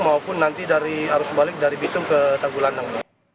maupun nanti dari arus balik dari bitung ke tanggulandang